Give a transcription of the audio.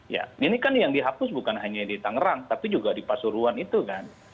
ya ini kan yang dihapus bukan hanya di tangerang tapi juga di pasuruan itu kan